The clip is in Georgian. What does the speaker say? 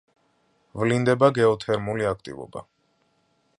ვლინდება გეოთერმული აქტივობა.